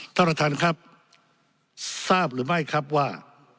ท่านประธานครับทราบหรือไม่ครับว่า